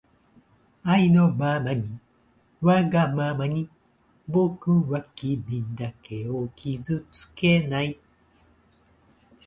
あいのままにわがままにぼくはきみだけをきずつけない